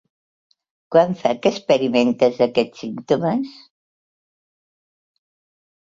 Quant fa que experimentes aquests símptomes?